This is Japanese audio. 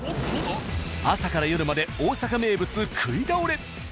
朝から夜まで大阪名物食いだおれ！